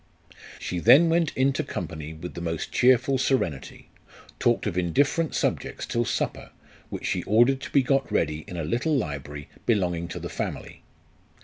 She then went into company with the most cheerful serenity, talked of indifferent subjects till supper, which she ordered to be got ready in a little library belonging to the family.